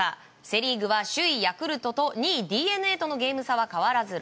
セ・リーグは首位ヤクルトと２位ＤｅＮＡとのゲーム差は変わらず６。